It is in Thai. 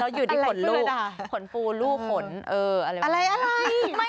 แล้วอยู่ที่ขนลูกขนฟูลูกขนเอออะไรแบบนั้นนะพี่อะไร